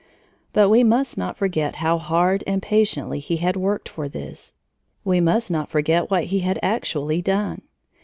But we must not forget how hard and patiently he had worked for this. We must not forget what he had actually done.